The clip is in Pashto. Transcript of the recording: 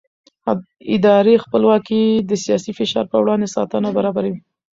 اداري خپلواکي د سیاسي فشار پر وړاندې ساتنه برابروي